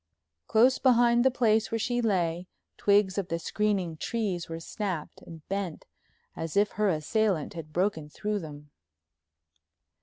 Close behind the place where she lay twigs of the screening trees were snapped and bent as if her assailant had broken through them.